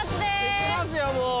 行きますよもう。